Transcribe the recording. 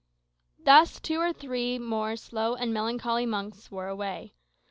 Thus two or three slow and melancholy months wore away.